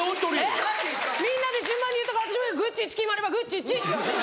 みんなで順番に言ったから私も「グッチッチ決まればグッチッチ」。